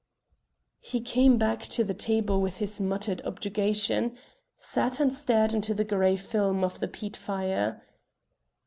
_" He came back to the table with this muttered objurgation, sat and stared into the grey film of the peat fire.